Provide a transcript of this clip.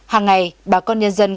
hàng ngày bà con nhân dân